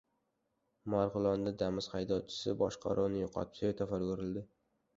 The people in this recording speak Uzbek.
Marg‘ilonda "Damas" haydovchisi boshqaruvni yo‘qotib svetoforga urildi